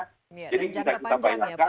jadi kita bayangkan